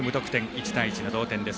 １対１の同点です。